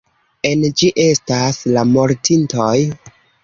En ĝi estas... la mortintoj!